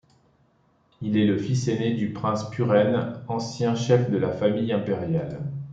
Il est le fils ainé du prince Puren, ancien chef de la famille impériale.